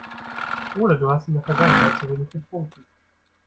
Oder du hast in der Vergangenheit zu wenig getrunken.